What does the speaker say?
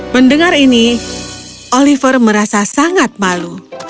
mendengar ini oliver merasa sangat malu